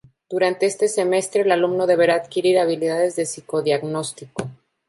Durante este semestre el alumno deberá adquirir habilidades de psico-diagnostico.